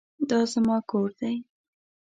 دا زما کور دی